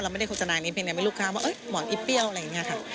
ไม่ได้โฆษณานี้เพียงแต่มีลูกค้าว่าหมอนอีเปรี้ยวอะไรอย่างนี้ค่ะ